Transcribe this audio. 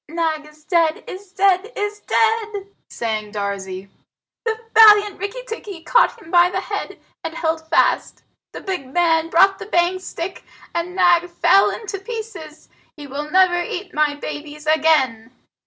"Nag is dead is dead is dead!" sang Darzee. "The valiant Rikki tikki caught him by the head and held fast. The big man brought the bang stick, and Nag fell in two pieces! He will never eat my babies again."